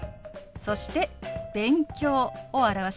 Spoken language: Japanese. そして「勉強」を表します。